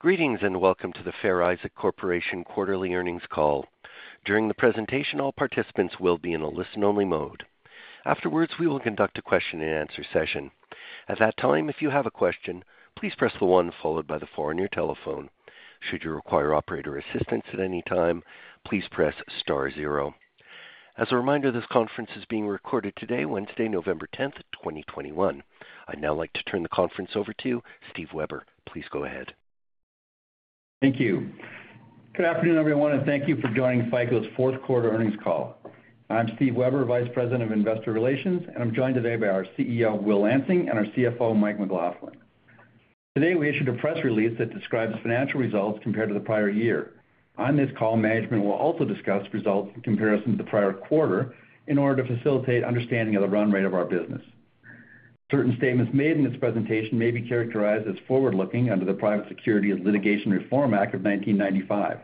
Greetings, and welcome to the Fair Isaac Corporation quarterly earnings call. During the presentation, all participants will be in a listen-only mode. Afterwards, we will conduct a question-and-answer session. At that time, if you have a question, please press the one followed by the four on your telephone. Should you require operator assistance at any time, please press star zero. As a reminder, this conference is being recorded today, Wednesday, November 10th, 2021. I'd now like to turn the conference over to Steve Weber. Please go ahead. Thank you. Good afternoon, everyone, and thank you for joining FICO's fourth quarter earnings call. I'm Steve Weber, Vice President of Investor Relations, and I'm joined today by our CEO, Will Lansing, and our CFO, Mike McLaughlin. Today, we issued a press release that describes financial results compared to the prior year. On this call, management will also discuss results in comparison to the prior quarter in order to facilitate understanding of the run rate of our business. Certain statements made in this presentation may be characterized as forward-looking under the Private Securities Litigation Reform Act of 1995.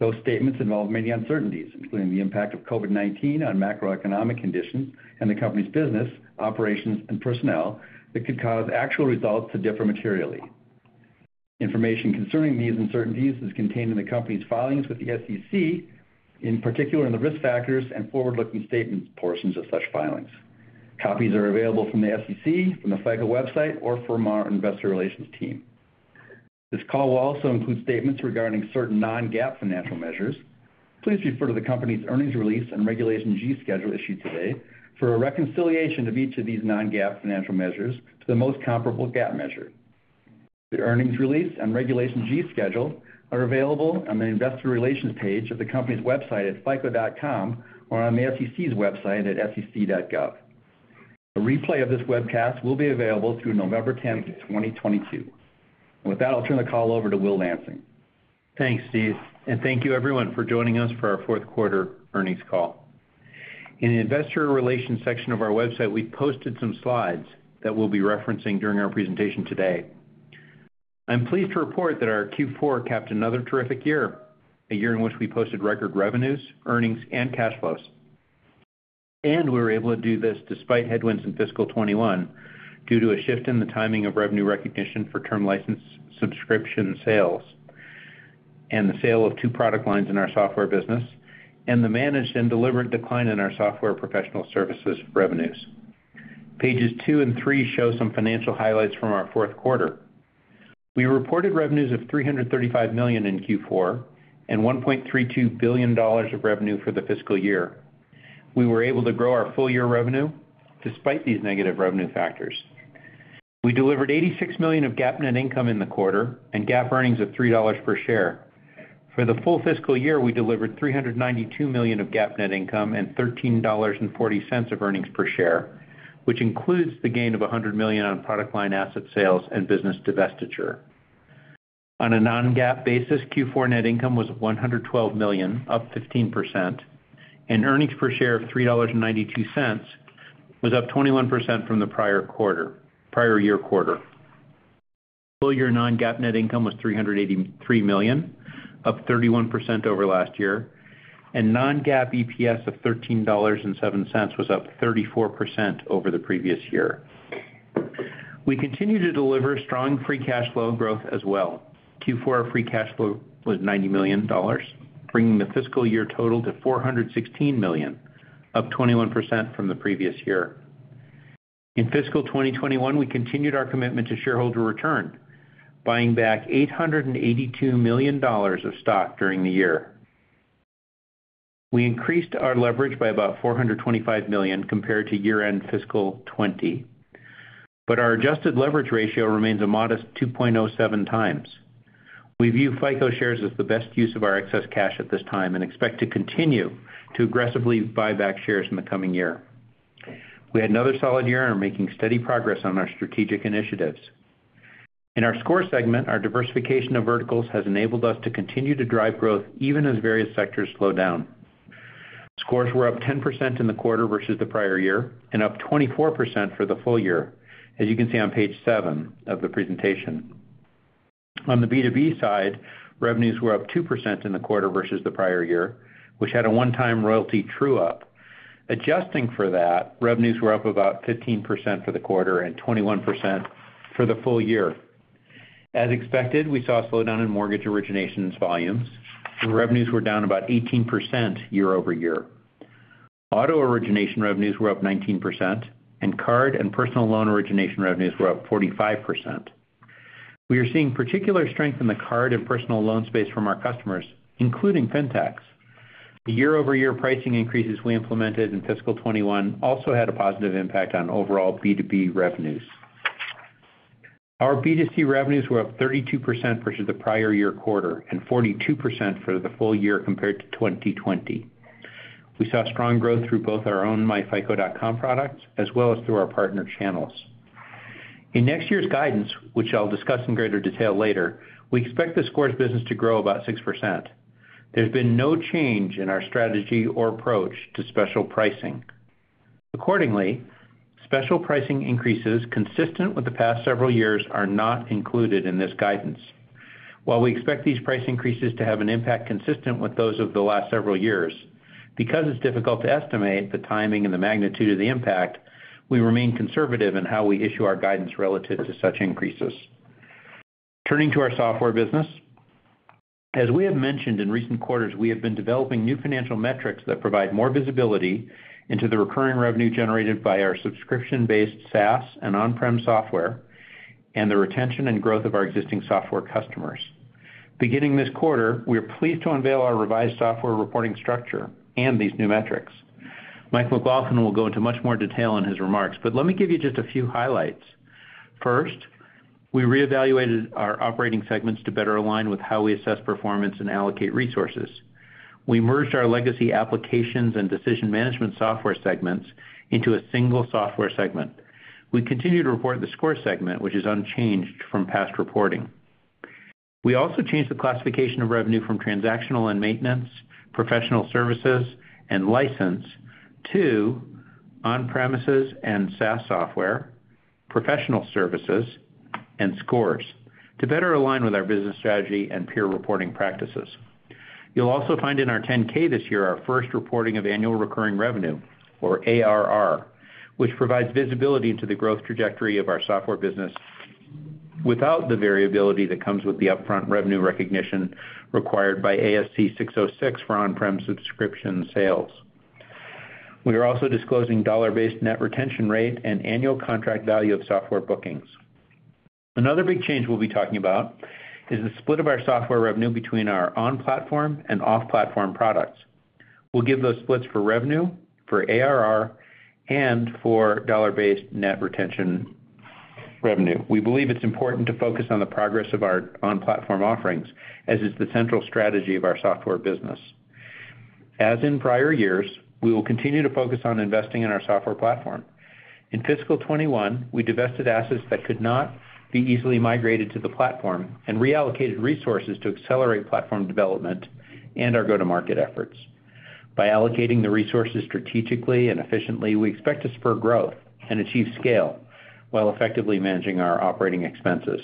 Those statements involve many uncertainties, including the impact of COVID-19 on macroeconomic conditions and the company's business, operations, and personnel that could cause actual results to differ materially. Information concerning these uncertainties is contained in the company's filings with the SEC, in particular in the risk factors and forward-looking statements portions of such filings. Copies are available from the SEC, from the FICO website, or from our investor relations team. This call will also include statements regarding certain non-GAAP financial measures. Please refer to the company's earnings release and Regulation G schedule issued today for a reconciliation of each of these non-GAAP financial measures to the most comparable GAAP measure. The earnings release and Regulation G schedule are available on the investor relations page of the company's website at fico.com or on the SEC's website at sec.gov. A replay of this webcast will be available through November 10th, 2022. With that, I'll turn the call over to Will Lansing. Thanks, Steve, and thank you everyone for joining us for our fourth quarter earnings call. In the investor relations section of our website, we posted some slides that we'll be referencing during our presentation today. I'm pleased to report that our Q4 capped another terrific year, a year in which we posted record revenues, earnings, and cash flows. We were able to do this despite headwinds in fiscal 2021 due to a shift in the timing of revenue recognition for term license subscription sales and the sale of two product lines in our Software business, and the managed and delivered decline in our software professional services revenues. Pages two and three show some financial highlights from our fourth quarter. We reported revenues of $335 million in Q4 and $1.32 billion of revenue for the fiscal year. We were able to grow our full-year revenue despite these negative revenue factors. We delivered $86 million of GAAP net income in the quarter and GAAP earnings of $3 per share. For the full fiscal year, we delivered $392 million of GAAP net income and $13.40 of earnings per share, which includes the gain of $100 million on product line asset sales and business divestiture. On a non-GAAP basis, Q4 net income was $112 million, up 15%, and earnings per share of $3.92 was up 21% from the prior year quarter. Full year non-GAAP net income was $383 million, up 31% over last year, and non-GAAP EPS of $13.07 was up 34% over the previous year. We continue to deliver strong free cash flow growth as well. Q4 free cash flow was $90 million, bringing the fiscal year total to $416 million, up 21% from the previous year. In fiscal 2021, we continued our commitment to shareholder return, buying back $882 million of stock during the year. We increased our leverage by about $425 million compared to year-end fiscal 2020. Our adjusted leverage ratio remains a modest 2.07x. We view FICO shares as the best use of our excess cash at this time and expect to continue to aggressively buy back shares in the coming year. We had another solid year and are making steady progress on our strategic initiatives. In our Scores segment, our diversification of verticals has enabled us to continue to drive growth even as various sectors slow down. Scores were up 10% in the quarter versus the prior year, and up 24% for the full year, as you can see on page 7 of the presentation. On the B2B side, revenues were up 2% in the quarter versus the prior year, which had a one-time royalty true up. Adjusting for that, revenues were up about 15% for the quarter and 21% for the full year. As expected, we saw a slowdown in mortgage originations volumes, and revenues were down about 18% year-over-year. Auto origination revenues were up 19%, and card and personal loan origination revenues were up 45%. We are seeing particular strength in the card and personal loan space from our customers, including fintechs. The year-over-year pricing increases we implemented in fiscal 2021 also had a positive impact on overall B2B revenues. Our B2C revenues were up 32% versus the prior year quarter and 42% for the full year compared to 2020. We saw strong growth through both our own myFICO.com products as well as through our partner channels. In next year's guidance, which I'll discuss in greater detail later, we expect the Scores business to grow about 6%. There's been no change in our strategy or approach to special pricing. Accordingly, special pricing increases consistent with the past several years are not included in this guidance. While we expect these price increases to have an impact consistent with those of the last several years, because it's difficult to estimate the timing and the magnitude of the impact, we remain conservative in how we issue our guidance relative to such increases. Turning to our Software business. As we have mentioned in recent quarters, we have been developing new financial metrics that provide more visibility into the recurring revenue generated by our subscription-based SaaS and on-prem software and the retention and growth of our existing software customers. Beginning this quarter, we are pleased to unveil our revised software reporting structure and these new metrics. Mike McLaughlin will go into much more detail in his remarks, but let me give you just a few highlights. First, we reevaluated our operating segments to better align with how we assess performance and allocate resources. We merged our legacy Applications and Decision Management Software segments into a single Software segment. We continue to report the Scores segment, which is unchanged from past reporting. We also changed the classification of revenue from transactional and maintenance, professional services and license to on-premises and SaaS software, professional services and Scores to better align with our business strategy and peer reporting practices. You'll also find in our 10-K this year, our first reporting of annual recurring revenue, or ARR, which provides visibility into the growth trajectory of our Software business without the variability that comes with the upfront revenue recognition required by ASC 606 for on-premises subscription sales. We are also disclosing dollar-based net retention rate and annual contract value of Software bookings. Another big change we'll be talking about is the split of our software revenue between our on-platform and off-platform products. We'll give those splits for revenue, for ARR, and for dollar-based net retention revenue. We believe it's important to focus on the progress of our on-platform offerings, as is the central strategy of our Software business. As in prior years, we will continue to focus on investing in our software platform. In fiscal 2021, we divested assets that could not be easily migrated to the platform and reallocated resources to accelerate platform development and our go-to-market efforts. By allocating the resources strategically and efficiently, we expect to spur growth and achieve scale while effectively managing our operating expenses.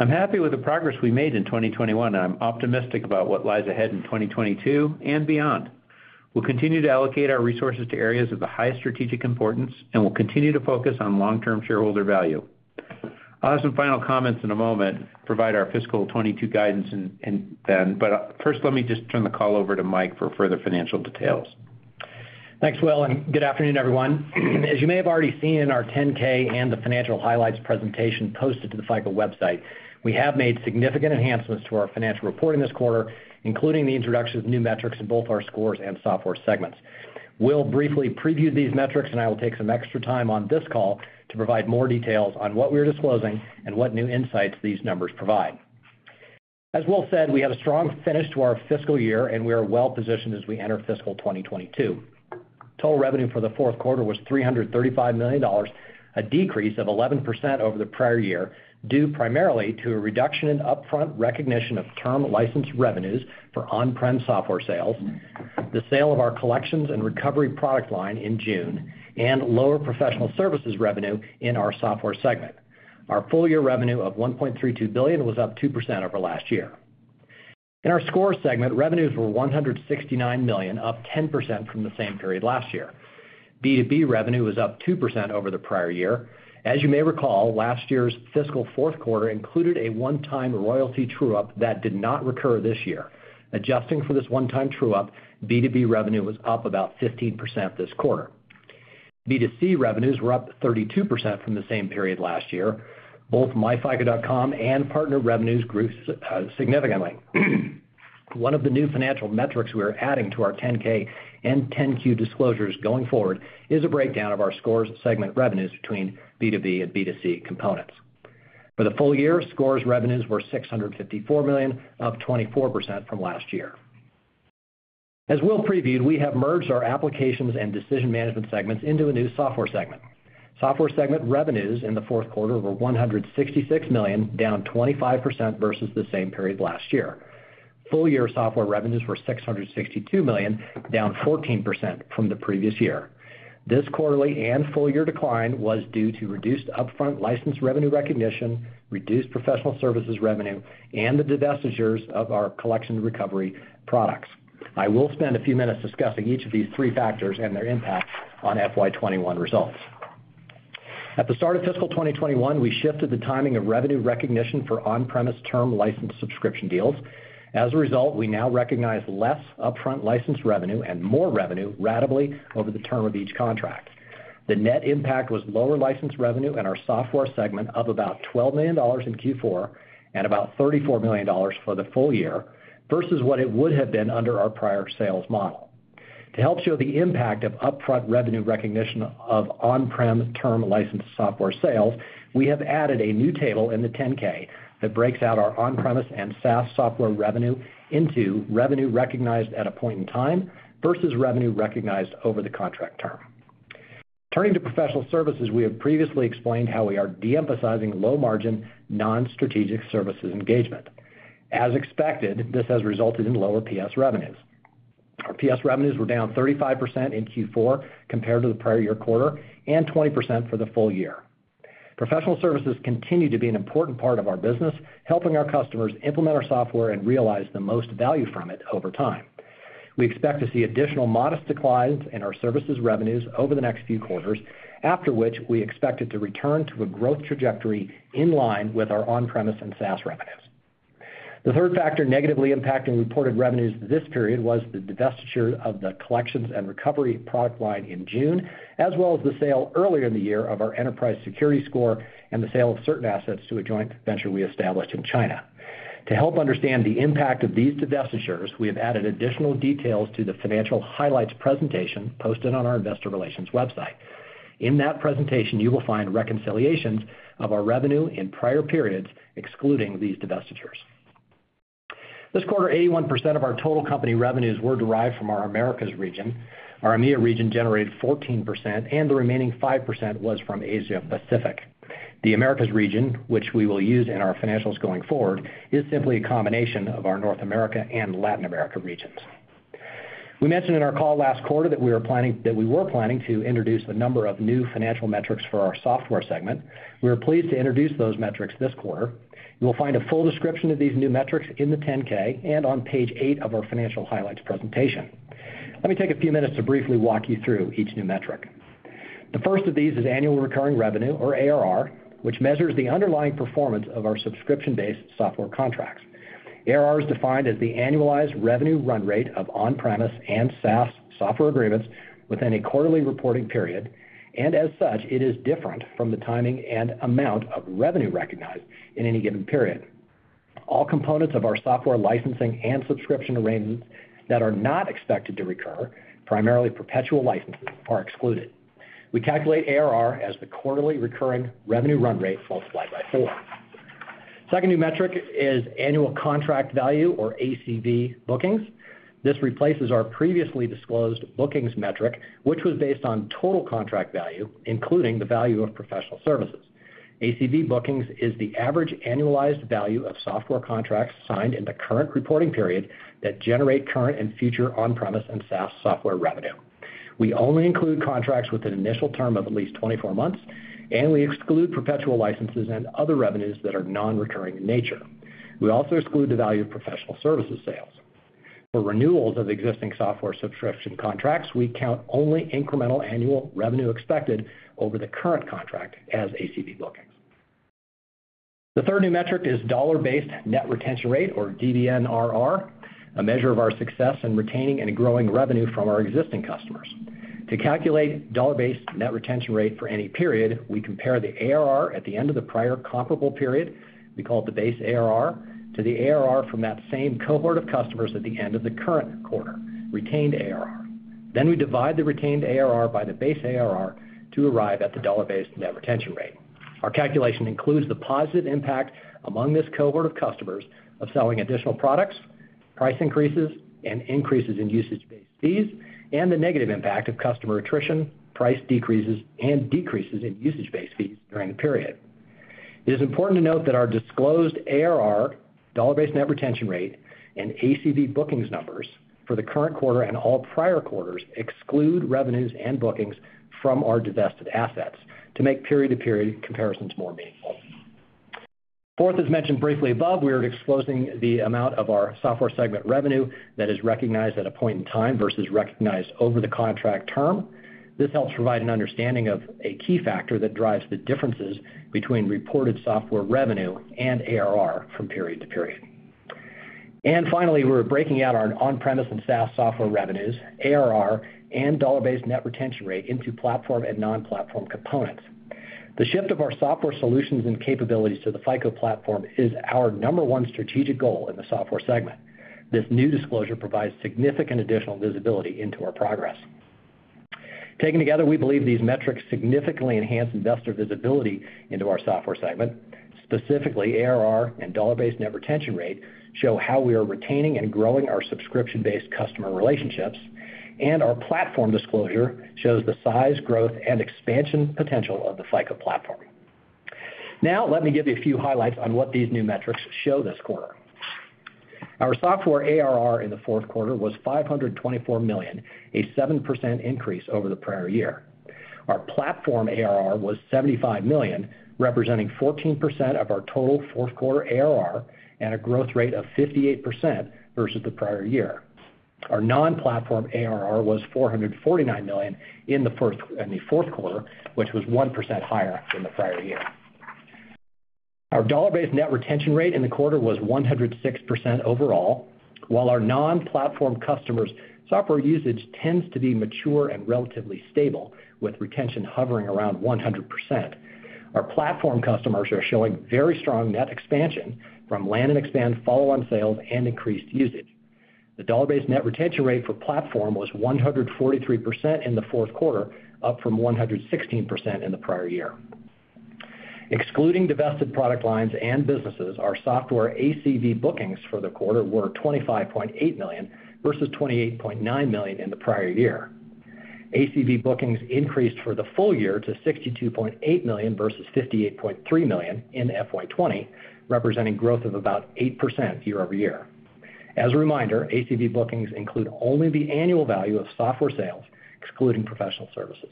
I'm happy with the progress we made in 2021, and I'm optimistic about what lies ahead in 2022 and beyond. We'll continue to allocate our resources to areas of the highest strategic importance, and we'll continue to focus on long-term shareholder value. I'll have some final comments in a moment, to provide our fiscal 2022 guidance. But, first, let me just turn the call over to Mike for further financial details. Thanks, Will, and good afternoon, everyone. As you may have already seen in our 10-K and the financial highlights presentation posted to the FICO website, we have made significant enhancements to our financial reporting this quarter, including the introduction of new metrics in both our Scores and Software segments. We'll briefly preview these metrics, and I will take some extra time on this call to provide more details on what we are disclosing and what new insights these numbers provide. As Will said, we had a strong finish to our fiscal year, and we are well-positioned as we enter fiscal 2022. Total revenue for the fourth quarter was $335 million, a decrease of 11% over the prior year, due primarily to a reduction in upfront recognition of term license revenues for on-prem software sales, the sale of our Collections and Recovery product line in June, and lower professional services revenue in our Software segment. Our full-year revenue of $1.32 billion was up 2% over last year. In our Scores segment, revenues were $169 million, up 10% from the same period last year. B2B revenue was up 2% over the prior year. As you may recall, last year's fiscal fourth quarter included a one-time royalty true-up that did not recur this year. Adjusting for this one-time true up, B2B revenue was up about 15% this quarter. B2C revenues were up 32% from the same period last year. Both myFICO.com and partner revenues grew significantly. One of the new financial metrics we are adding to our 10-K and 10-Q disclosures going forward is a breakdown of our Scores segment revenues between B2B and B2C components. For the full year, Scores revenues were $654 million, up 24% from last year. As Will previewed, we have merged our Applications and Decision Management segments into a new Software segment. Software segment revenues in the fourth quarter were $166 million, down 25% versus the same period last year. Full year Software revenues were $662 million, down 14% from the previous year. This quarterly and full-year decline was due to reduced upfront license revenue recognition, reduced professional services revenue, and the divestitures of our Collections and Recovery products. I will spend a few minutes discussing each of these three factors and their impact on FY 2021 results. At the start of fiscal 2021, we shifted the timing of revenue recognition for on-premise term license subscription deals. As a result, we now recognize less upfront license revenue and more revenue ratably over the term of each contract. The net impact was lower license revenue in our Software segment of about $12 million in Q4 and about $34 million for the full year versus what it would have been under our prior sales model. To help show the impact of upfront revenue recognition of on-prem term licensed software sales, we have added a new table in the 10-K that breaks out our on-premise and SaaS software revenue into revenue recognized at a point in time versus revenue recognized over the contract term. Turning to professional services, we have previously explained how we are de-emphasizing low-margin, non-strategic services engagements. As expected, this has resulted in lower PS revenues. Our PS revenues were down 35% in Q4 compared to the prior year quarter and 20% for the full year. Professional services continue to be an important part of our business, helping our customers implement our software and realize the most value from it over time. We expect to see additional modest declines in our services revenues over the next few quarters, after which we expect it to return to a growth trajectory in line with our on-premise and SaaS revenues. The third factor negatively impacting reported revenues this period was the divestiture of the Collections and Recovery product line in June, as well as the sale earlier in the year of our Enterprise Security Score and the sale of certain assets to a joint venture we established in China. To help understand the impact of these divestitures, we have added additional details to the financial highlights presentation posted on our investor relations website. In that presentation, you will find reconciliations of our revenue in prior periods excluding these divestitures. This quarter, 81% of our total company revenues were derived from our Americas region, our EMEIA region generated 14%, and the remaining 5% was from Asia Pacific. The Americas region, which we will use in our financials going forward, is simply a combination of our North America and Latin America regions. We mentioned in our call last quarter that we were planning to introduce a number of new financial metrics for our Software segment. We are pleased to introduce those metrics this quarter. You will find a full description of these new metrics in the 10-K and on page eight of our financial highlights presentation. Let me take a few minutes to briefly walk you through each new metric. The first of these is annual recurring revenue or ARR, which measures the underlying performance of our subscription-based software contracts. ARR is defined as the annualized revenue run rate of on-premise and SaaS software agreements within a quarterly reporting period, and as such, it is different from the timing and amount of revenue recognized in any given period. All components of our software licensing and subscription arrangements that are not expected to recur, primarily perpetual licenses, are excluded. We calculate ARR as the quarterly recurring revenue run rate multiplied by four. The second new metric is annual contract value or ACV bookings. This replaces our previously disclosed bookings metric, which was based on total contract value, including the value of professional services. ACV bookings is the average annualized value of software contracts signed in the current reporting period that generate current and future on-premise and SaaS software revenue. We only include contracts with an initial term of at least 24 months, and we exclude perpetual licenses and other revenues that are non-recurring in nature. We also exclude the value of professional services sales. For renewals of existing software subscription contracts, we count only incremental annual revenue expected over the current contract as ACV bookings. The third new metric is dollar-based net retention rate, or DBNRR, a measure of our success in retaining and growing revenue from our existing customers. To calculate dollar-based net retention rate for any period, we compare the ARR at the end of the prior comparable period, we call it the base ARR, to the ARR from that same cohort of customers at the end of the current quarter, retained ARR. We divide the retained ARR by the base ARR to arrive at the dollar-based net retention rate. Our calculation includes the positive impact among this cohort of customers of selling additional products, price increases, and increases in usage-based fees, and the negative impact of customer attrition, price decreases, and decreases in usage-based fees during the period. It is important to note that our disclosed ARR, dollar-based net retention rate, and ACV bookings numbers for the current quarter and all prior quarters exclude revenues and bookings from our divested assets to make period-to-period comparisons more meaningful. Fourth, as mentioned briefly above, we are disclosing the amount of our Software segment revenue that is recognized at a point in time versus recognized over the contract term. This helps provide an understanding of a key factor that drives the differences between reported software revenue and ARR from period to period. Finally, we're breaking out our on-premise and SaaS software revenues, ARR, and dollar-based net retention rate into platform and non-platform components. The shift of our software solutions and capabilities to the FICO Platform is our number one strategic goal in the Software segment. This new disclosure provides significant additional visibility into our progress. Taken together, we believe these metrics significantly enhance investor visibility into our Software segment, specifically ARR and dollar-based net retention rate show how we are retaining and growing our subscription-based customer relationships, and our platform disclosure shows the size, growth, and expansion potential of the FICO Platform. Now, let me give you a few highlights on what these new metrics show this quarter. Our software ARR in the fourth quarter was $524 million, a 7% increase over the prior year. Our platform ARR was $75 million, representing 14% of our total fourth quarter ARR and a growth rate of 58% versus the prior year. Our non-platform ARR was $449 million in the fourth quarter, which was 1% higher than the prior year. Our dollar-based net retention rate in the quarter was 106% overall. While our non-platform customers' software usage tends to be mature and relatively stable, with retention hovering around 100%, our platform customers are showing very strong net expansion from land-and-expand follow-on sales and increased usage. The dollar-based net retention rate for platform was 143% in the fourth quarter, up from 116% in the prior year. Excluding divested product lines and businesses, our software ACV bookings for the quarter were $25.8 million, versus $28.9 million in the prior year. ACV bookings increased for the full year to $62.8 million versus $58.3 million in FY 2020, representing growth of about 8% year-over-year. As a reminder, ACV bookings include only the annual value of software sales, excluding professional services.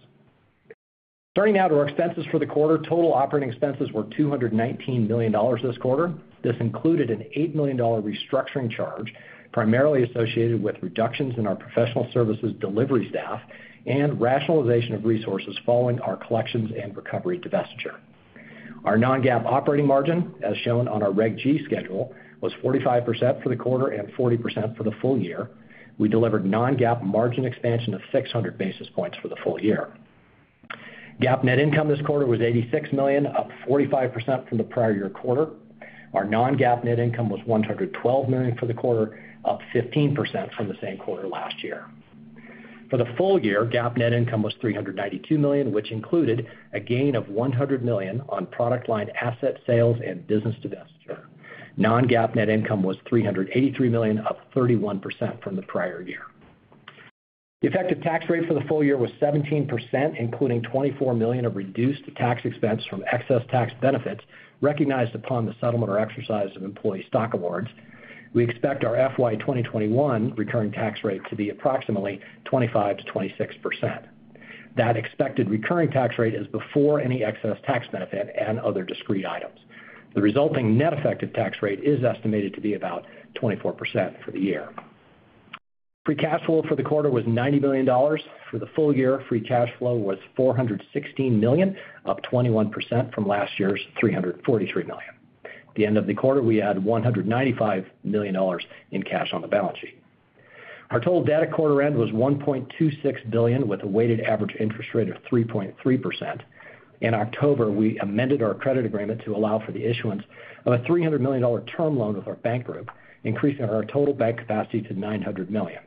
Turning now to our expenses for the quarter. Total operating expenses were $219 million this quarter. This included an $8 million restructuring charge, primarily associated with reductions in our professional services delivery staff and rationalization of resources following our Collections and Recovery divestiture. Our non-GAAP operating margin, as shown on our Regulation G schedule, was 45% for the quarter and 40% for the full year. We delivered non-GAAP margin expansion of 600 basis points for the full year. GAAP net income this quarter was $86 million, up 45% from the prior year quarter. Our non-GAAP net income was $112 million for the quarter, up 15% from the same quarter last year. For the full year, GAAP net income was $392 million, which included a gain of $100 million on product line asset sales and business divestiture. Non-GAAP net income was $383 million, up 31% from the prior year. The effective tax rate for the full year was 17%, including $24 million of reduced tax expense from excess tax benefits recognized upon the settlement or exercise of employee stock awards. We expect our FY 2021 recurring tax rate to be approximately 25%-26%. That expected recurring tax rate is before any excess tax benefit and other discrete items. The resulting net effective tax rate is estimated to be about 24% for the year. Free cash flow for the quarter was $90 million. For the full year, free cash flow was $416 million, up 21% from last year's $343 million. At the end of the quarter, we had $195 million in cash on the balance sheet. Our total debt at quarter end was $1.26 billion, with a weighted average interest rate of 3.3%. In October, we amended our credit agreement to allow for the issuance of a $300 million term loan with our bank group, increasing our total bank capacity to $900 million.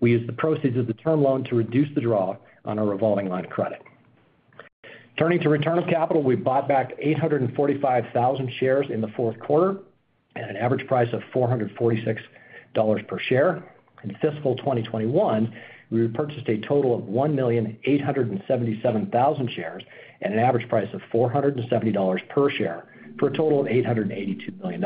We used the proceeds of the term loan to reduce the draw on our revolving line of credit. Turning to return of capital, we bought back 845,000 shares in the fourth quarter at an average price of $446 per share. In fiscal 2021, we repurchased a total of 1,877,000 shares at an average price of $470 per share for a total of $882 million.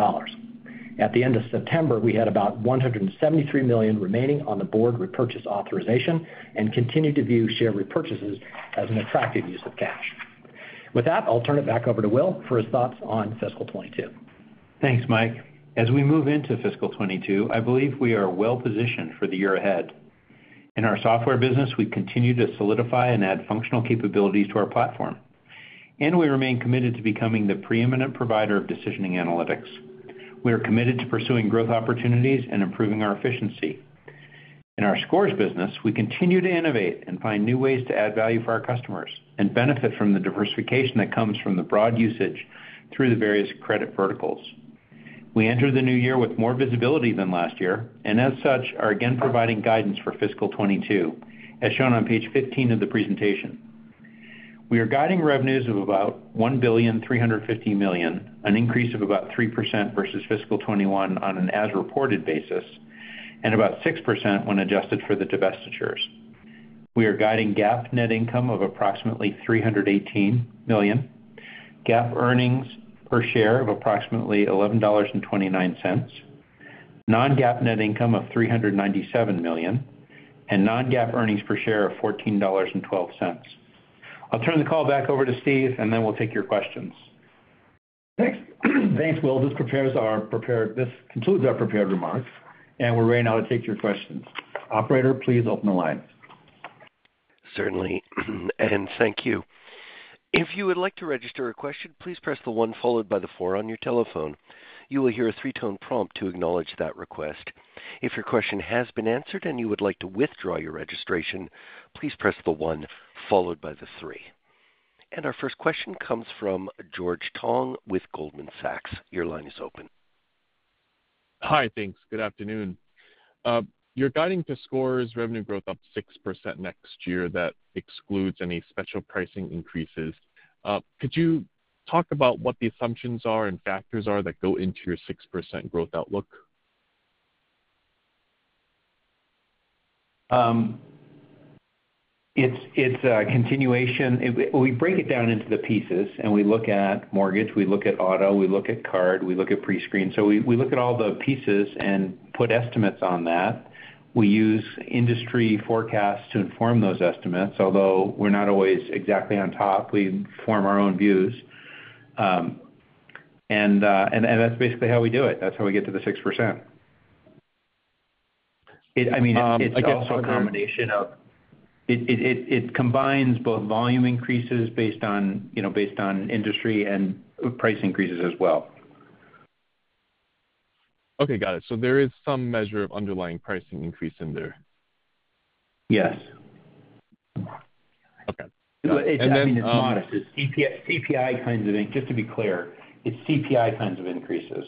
At the end of September, we had about $173 million remaining on the Board repurchase authorization and continue to view share repurchases as an attractive use of cash. With that, I'll turn it back over to Will for his thoughts on fiscal 2022. Thanks, Mike. As we move into fiscal 2022, I believe we are well-positioned for the year ahead. In our Software business, we continue to solidify and add functional capabilities to our platform, and we remain committed to becoming the preeminent provider of decisioning analytics. We are committed to pursuing growth opportunities and improving our efficiency. In our Scores business, we continue to innovate and find new ways to add value for our customers and benefit from the diversification that comes from the broad usage through the various credit verticals. We enter the new year with more visibility than last year and as such, are again providing guidance for fiscal 2022, as shown on page 15 of the presentation. We are guiding revenues of about $1.35 billion, an increase of about 3% versus fiscal 2021 on an as-reported basis, and about 6% when adjusted for the divestitures. We are guiding GAAP net income of approximately $318 million, GAAP earnings per share of approximately $11.29, non-GAAP net income of $397 million, and non-GAAP earnings per share of $14.12. I'll turn the call back over to Steve, and then we'll take your questions. Thanks. Thanks, Will. This concludes our prepared remarks, and we're ready now to take your questions. Operator, please open the lines. Certainly and thank you. If you would like to register a question, please press the one followed by the four on your telephone. You will hear a three-tone prompt to acknowledge that request. If your question has been answered and you would like to withdraw your registration, please press the one followed by the three. Our first question comes from George Tong with Goldman Sachs. Your line is open. Hi. Thanks. Good afternoon. You're guiding the Scores revenue growth up 6% next year. That excludes any special pricing increases. Could you talk about what the assumptions are and factors are that go into your 6% growth outlook? It's a continuation. We break it down into the pieces and we look at mortgage, we look at auto, we look at card, we look at pre-screen. We look at all the pieces and put estimates on that. We use industry forecasts to inform those estimates, although we're not always exactly on top. We form our own views. That's basically how we do it. That's how we get to the 6%. Okay. It combines both volume increases based on, you know, based on industry and price increases as well. Okay, got it. There is some measure of underlying pricing increase in there? Yes. Okay. It's, I mean, it's modest. Just to be clear, it's CPI kinds of increases.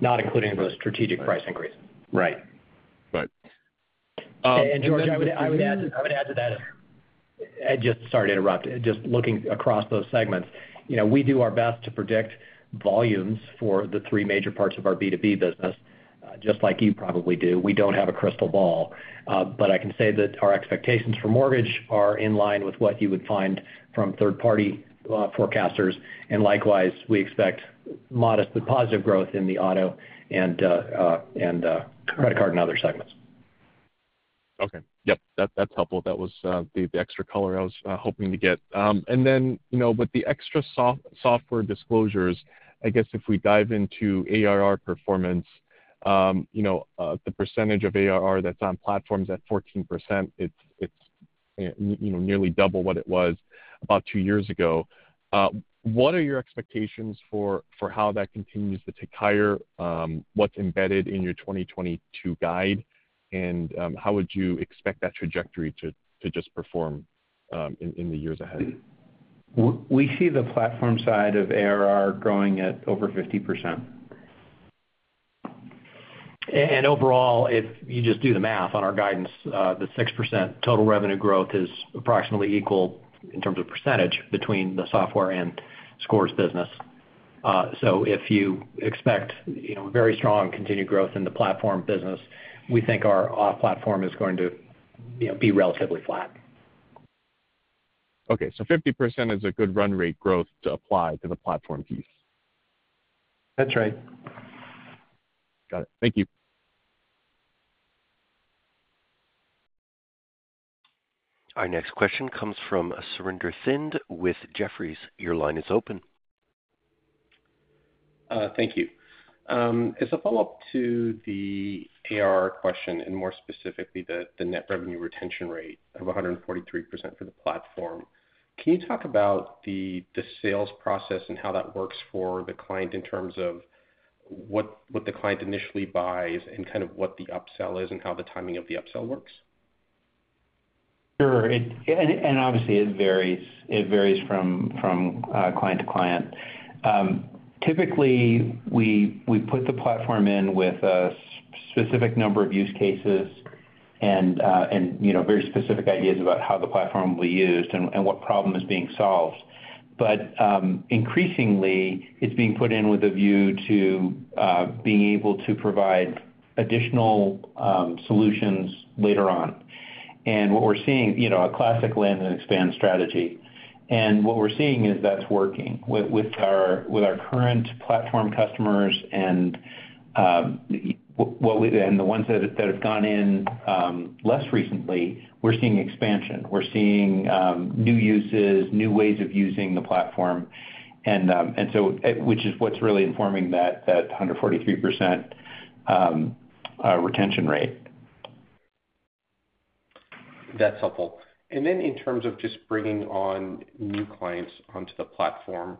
Not including those strategic pricing increases. Right. Right. Do you— George, I would add to that. Sorry to interrupt. Just looking across those segments, you know, we do our best to predict volumes for the three major parts of our B2B business, just like you probably do. We don't have a crystal ball. I can say that our expectations for mortgage are in line with what you would find from third-party forecasters. Likewise, we expect modest but positive growth in the auto and credit card and other segments. Okay. Yep. That's helpful. That was the extra color I was hoping to get. Then, you know, with the extra software disclosures, I guess if we dive into ARR performance, you know, the percentage of ARR that's on platform is at 14%, it's you know, nearly double what it was about two years ago. What are your expectations for how that continues to tick higher, what's embedded in your 2022 guide? How would you expect that trajectory to just perform in the years ahead? We see the platform side of ARR growing at over 50%. Overall, if you just do the math on our guidance, the 6% total revenue growth is approximately equal in terms of percentage between the Software and Scores business. If you expect, you know, very strong continued growth in the platform business, we think our off-platform is going to, you know, be relatively flat. Okay. 50% is a good run rate growth to apply to the platform piece. That's right. Got it. Thank you. Our next question comes from Surinder Thind with Jefferies. Your line is open. Thank you. As a follow-up to the ARR question, and more specifically, the net revenue retention rate of 143% for the platform, can you talk about the sales process and how that works for the client in terms of what the client initially buys and kind of what the upsell is and how the timing of the upsell works? Sure. Obviously, it varies from client to client. Typically, we put the platform in with a specific number of use cases and you know, very specific ideas about how the platform will be used and what problem is being solved. Increasingly, it's being put in with a view to being able to provide additional solutions later on. What we're seeing you know, a classic land-and-expand strategy. What we're seeing is that's working. With our current platform customers and the ones that have gone in less recently, we're seeing expansion. We're seeing new uses, new ways of using the platform and so, which is what's really informing that 143% retention rate. That's helpful. In terms of just bringing on new clients onto the platform,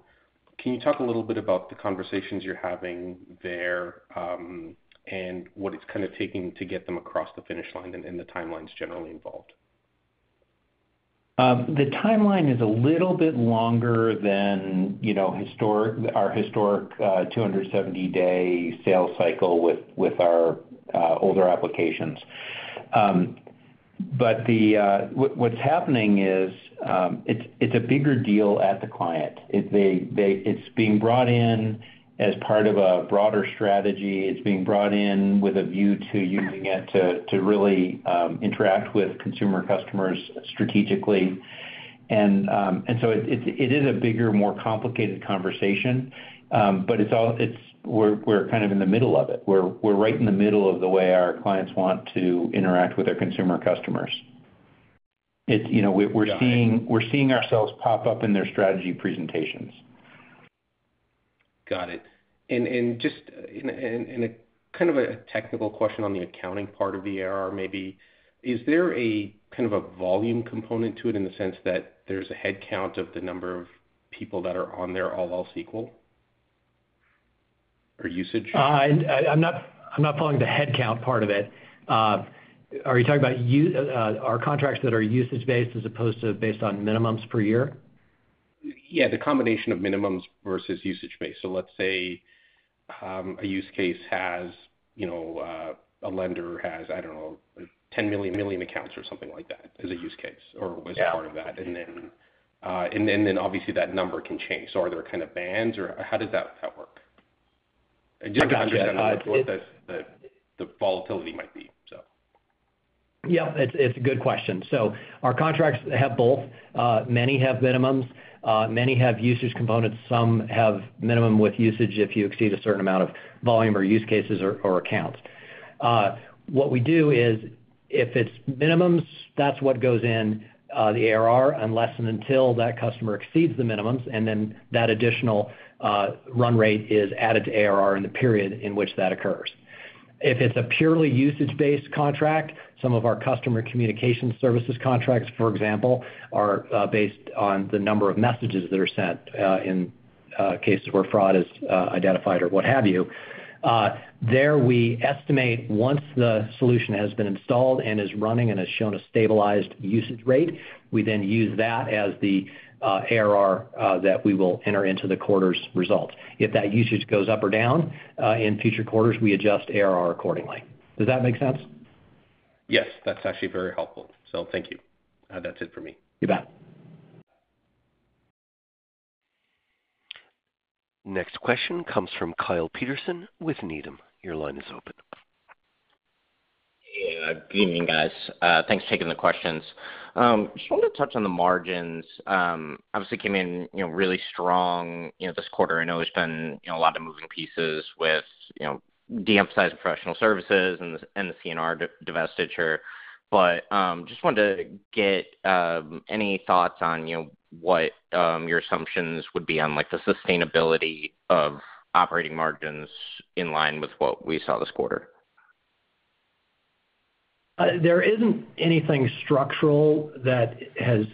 can you talk a little bit about the conversations you're having there, and what it's kind of taking to get them across the finish line and the timelines generally involved? The timeline is a little bit longer than, you know, our historic 270-day sales cycle with our older applications. What's happening is it's a bigger deal at the client. It's being brought in as part of a broader strategy. It's being brought in with a view to using it to really interact with consumer customers strategically. It is a bigger, more complicated conversation. We're kind of in the middle of it. We're right in the middle of the way our clients want to interact with their consumer customers. You know, we're seeing- Got it. We're seeing ourselves pop up in their strategy presentations. Got it. Just in a kind of technical question on the accounting part of the ARR maybe, is there a kind of volume component to it in the sense that there's a headcount of the number of people that are on there all else equal or usage? I'm not following the headcount part of it. Are you talking about our contracts that are usage-based as opposed to based on minimums per year? Yeah, the combination of minimums versus usage-based. Let's say a use case has, you know, a lender has, I don't know, 10 million, 1 million accounts or something like that as a use case or as- Yeah. Part of that. Obviously that number can change. Are there kind of bands or how does that work? I got you. Just to understand what the volatility might be. Yeah, it's a good question. Our contracts have both. Many have minimums. Many have usage components. Some have minimum with usage if you exceed a certain amount of volume or use cases or accounts. What we do is if it's minimums, that's what goes in the ARR unless and until that customer exceeds the minimums, and then that additional run rate is added to ARR in the period in which that occurs. If it's a purely usage-based contract, some of our customer communication services contracts, for example, are based on the number of messages that are sent in cases where fraud is identified or what have you. There we estimate once the solution has been installed and is running and has shown a stabilized usage rate, we then use that as the ARR that we will enter into the quarter's results. If that usage goes up or down in future quarters, we adjust ARR accordingly. Does that make sense? Yes. That's actually very helpful. Thank you. That's it for me. You bet. Next question comes from Kyle Peterson with Needham. Your line is open. Yeah. Good evening, guys. Thanks for taking the questions. Just wanted to touch on the margins, obviously came in, you know, really strong, you know, this quarter. I know there's been, you know, a lot of moving pieces with, you know, de-emphasizing professional services and the Collections and Recovery divestiture. Just wanted to get any thoughts on, you know, what your assumptions would be on like the sustainability of operating margins in line with what we saw this quarter? There isn't anything structural that has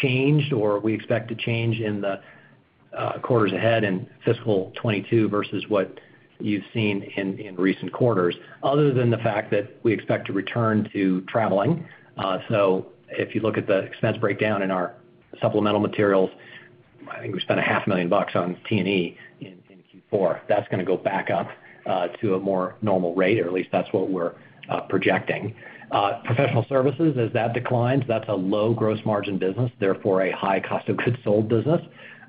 changed or we expect to change in the quarters ahead in fiscal 2022 versus what you've seen in recent quarters, other than the fact that we expect to return to traveling. If you look at the expense breakdown in our supplemental materials, I think we spent $500,000 on T&E in Q4. That's gonna go back up to a more normal rate, or at least that's what we're projecting. Professional services, as that declines, that's a low gross margin business, therefore a high cost of goods sold business.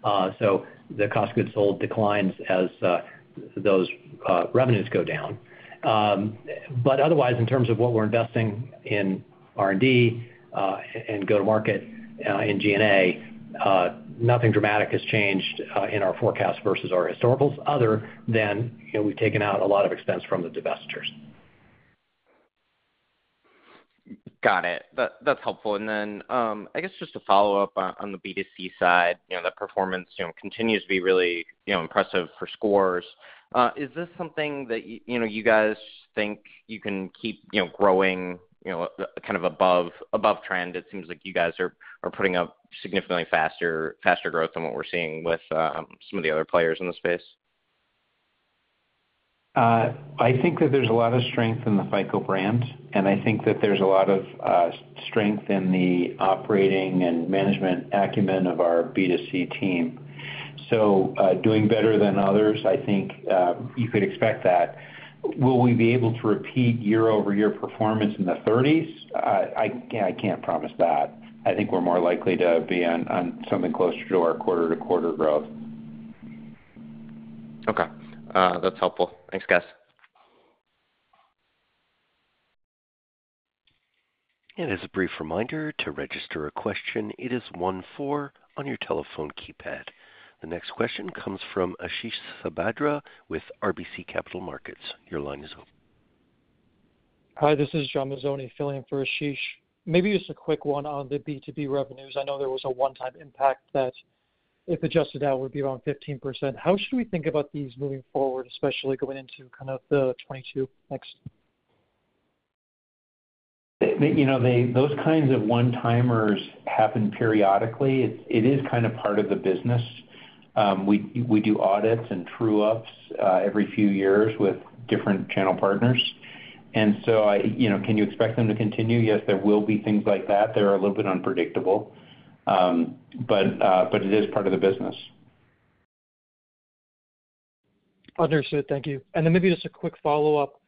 The cost of goods sold declines as those revenues go down. Otherwise, in terms of what we're investing in R&D and go-to-market, in G&A, nothing dramatic has changed in our forecast versus our historicals other than, you know, we've taken out a lot of expense from the divestitures. Got it. That's helpful. I guess just to follow up on the B2C side, you know, the performance, you know, continues to be really, you know, impressive for Scores. Is this something that you know, you guys think you can keep, you know, growing, you know, kind of above trend? It seems like you guys are putting up significantly faster growth than what we're seeing with some of the other players in the space. I think that there's a lot of strength in the FICO brand, and I think that there's a lot of strength in the operating and management acumen of our B2C team. Doing better than others, I think, you could expect that. Will we be able to repeat year-over-year performance in the thirties? I can't promise that. I think we're more likely to be on something closer to our quarter-to-quarter growth. Okay. That's helpful. Thanks, guys. As a brief reminder, to register a question, it is one then four on your telephone keypad. The next question comes from Ashish Sabadra with RBC Capital Markets. Your line is open. Hi, this is John Mazzoni filling in for Ashish. Maybe just a quick one on the B2B revenues. I know there was a one-time impact that if adjusted out would be around 15%. How should we think about these moving forward, especially going into kind of the 2022 mix? You know, those kinds of one-timers happen periodically. It is kind of part of the business. We do audits and true ups every few years with different channel partners. You know, can you expect them to continue? Yes, there will be things like that that are a little bit unpredictable. It is part of the business. Understood. Thank you. Maybe just a quick follow-up.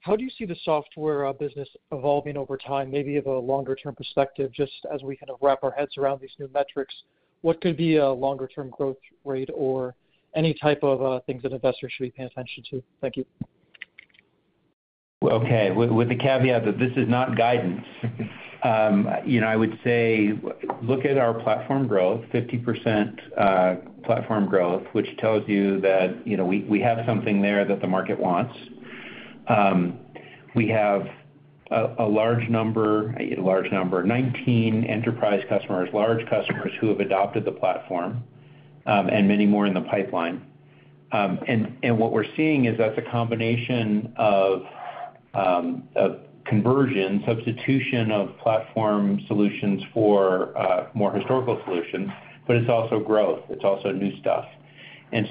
How do you see the Software business evolving over time, maybe of a longer term perspective, just as we kind of wrap our heads around these new metrics, what could be a longer term growth rate or any type of things that investors should be paying attention to? Thank you. Okay. With the caveat that this is not guidance. You know, I would say look at our 50% platform growth, which tells you that, you know, we have something there that the market wants. We have a large number, 19 enterprise customers, large customers who have adopted the platform, and many more in the pipeline. What we're seeing is that's a combination of a conversion, substitution of platform solutions for more historical solutions, but it's also growth, it's also new stuff.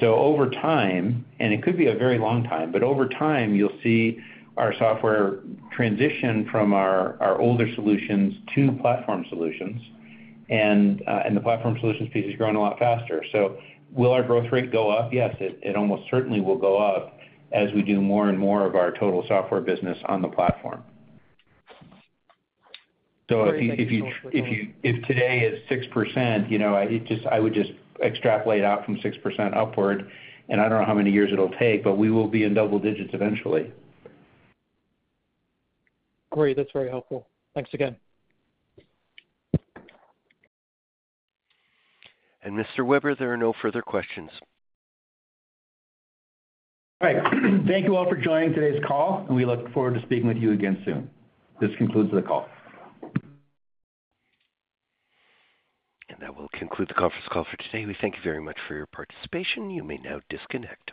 Over time, and it could be a very long time, but over time, you'll see our software transition from our older solutions to platform solutions. The platform solutions piece is growing a lot faster. Will our growth rate go up? Yes, it almost certainly will go up as we do more and more of our total software business on the platform. If you- Great. Thank you so much. If today's growth is 6%, you know, I would just extrapolate out from 6% upward. I don't know how many years it'll take, but we will be in double-digits eventually. Great. That's very helpful. Thanks again. Mr. Weber, there are no further questions. All right. Thank you all for joining today's call, and we look forward to speaking with you again soon. This concludes the call. That will conclude the conference call for today. We thank you very much for your participation. You may now disconnect.